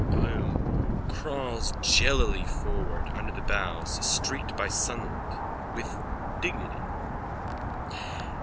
BLOOM: _(Crawls jellily forward under the boughs, streaked by sunlight, with dignity.)